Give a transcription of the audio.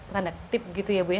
tanda tip gitu ya bu ya